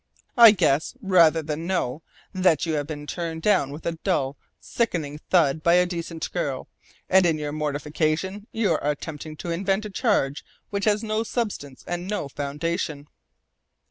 I guess rather than know that you have been turned down with a dull, sickening thud by a decent girl, and in your mortification you are attempting to invent a charge which has no substance and no foundation.